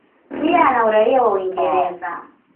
Pia ana uraia wa Uingereza.